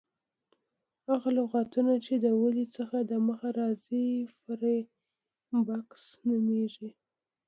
هغه لغتونه، چي د ولي څخه دمخه راځي پریفکس نومیږي.